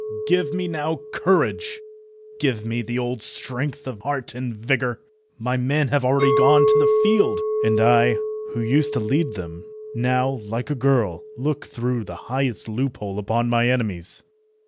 give me now courage, give me the old strength of heart and vigour. My men have already gone to the field, and I, who used to lead them, now, like a girl, look through the highest loophole upon my enemies.